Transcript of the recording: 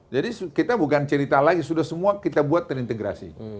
jadi kita bukan cerita lagi sudah semua kita buat terintegrasi